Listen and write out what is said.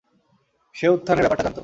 সে উত্থানের ব্যাপারটা জানতো।